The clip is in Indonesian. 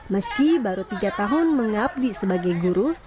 meski baru tiga tahun mengabdi sebagai guru